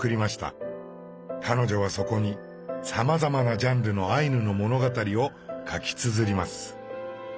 彼女はそこにさまざまなジャンルのアイヌの物語を書きつづります。